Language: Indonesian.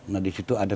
nah disitu ada